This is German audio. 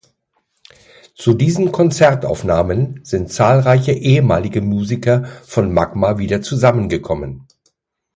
Zu diesen Konzertaufnahmen sind zahlreiche ehemalige Musiker von Magma wieder zusammengekommen.